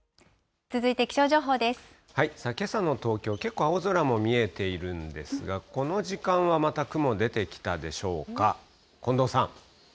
けさの東京、結構青空も見えているんですが、この時間はまた雲出てきたでしょうか。